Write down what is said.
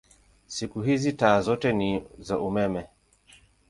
Siku hizi taa zote ni za umeme.